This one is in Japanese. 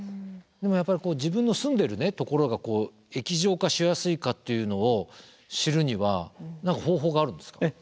でもやっぱり自分の住んでるところが液状化しやすいかっていうのを知るには何か方法があるんですか？